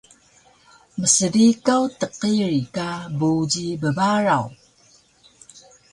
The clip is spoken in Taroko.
Mslikaw tqiri ka buji bbaraw